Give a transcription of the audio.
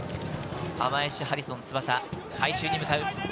アマエシ・ハリソン・翼、回収に向かう。